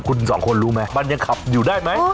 คุณสองคนรู้ไหมมันยังขับอยู่ได้ไหม